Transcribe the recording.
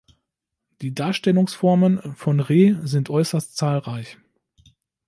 Die Darstellungsformen von Re sind äußerst zahlreich.